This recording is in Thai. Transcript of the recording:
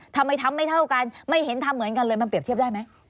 ทำไมทำไม่เท่ากันไม่เห็นทำเหมือนกันเลยมันเปรียบเทียบได้ไหม